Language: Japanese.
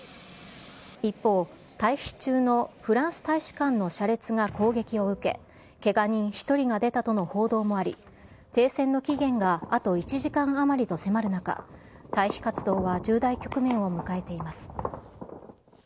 一方、退避中のフランス大使館の車列が攻撃を受け、けが人１人が出たとの報道もあり、停戦の期限があと１時間余りと迫る中、退避活動は重大局面を迎えています。